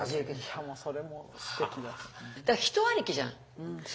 いやもうそれもすてき。